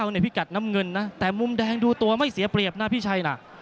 ในพิกัดน้ำเงินนะแต่มุมแดงดูตัวไม่เสียเปรียบนะพี่ชัยนะ